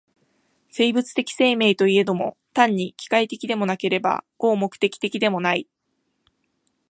生物的生命といえども、単に機械的でもなければ合目的的でもない。